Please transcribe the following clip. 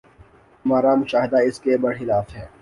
ہمارا مشاہدہ اس کے بر خلاف ہے۔